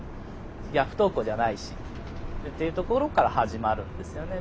いや不登校じゃないしっていうところから始まるんですよね。